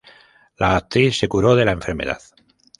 La actriz se curó de la enfermedad.